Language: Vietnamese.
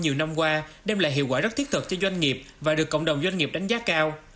nhiều năm qua đem lại hiệu quả rất thiết thực cho doanh nghiệp và được cộng đồng doanh nghiệp đánh giá cao